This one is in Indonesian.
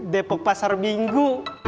depok pasar minggu